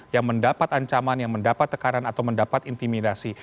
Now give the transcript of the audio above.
yang mendapat ancaman yang mendapat tekanan atau mendapat intimidasi